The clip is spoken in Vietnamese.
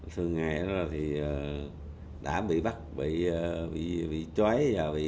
thường ngày đó thì đã bị bắt bị trói